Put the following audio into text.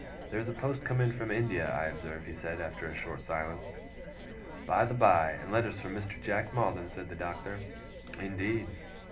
'There is a post come in from India, I observe,' he said, after a short silence. 'By the by! and letters from Mr. Jack Maldon!' said the Doctor. 'Indeed!